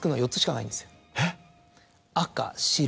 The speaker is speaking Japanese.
えっ！